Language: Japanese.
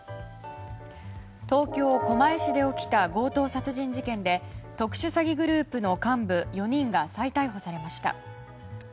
東京・狛江市で起きた強盗殺人事件で特殊詐欺グループの幹部４人が再逮捕されました。